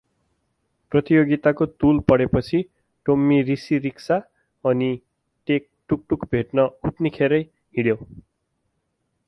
प्रतियोगिताको तुल पढेपछि टोम्मी रिसी रिक्सा अनि टेक टुक् टुक् भेट्न उत्निखेरै हिँड्यो ।